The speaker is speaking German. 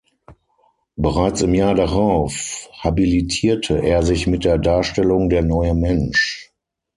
Bereits im Jahr darauf habilitierte er sich mit der Darstellung "„Der neue Mensch“.